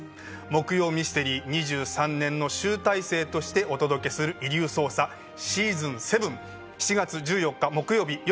木曜ミステリー２３年の集大成としてお届けする『遺留捜査』シーズン７７月１４日木曜日よる８時スタートです。